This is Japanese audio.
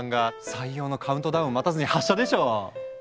採用のカウントダウンを待たずに発射でしょう！